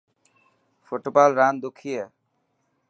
فٽبال راند ڏکي هي.